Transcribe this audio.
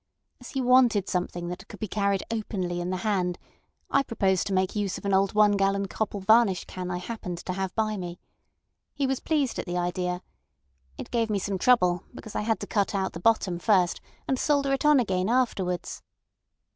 As he wanted something that could be carried openly in the hand, I proposed to make use of an old one gallon copal varnish can I happened to have by me. He was pleased at the idea. It gave me some trouble, because I had to cut out the bottom first and solder it on again afterwards.